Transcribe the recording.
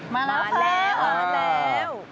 มาแล้ว